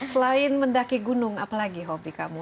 selain mendaki gunung apa lagi hobi kamu